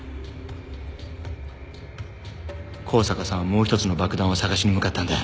香坂さんはもう一つの爆弾を探しに向かったんだ。